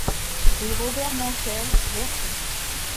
Rue Robert Mankel, Vertou